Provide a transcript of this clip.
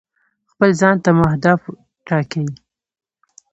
خپل ځان ته مو اهداف ټاکئ.